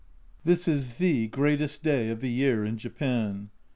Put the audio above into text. This is the greatest day of the year in Japan.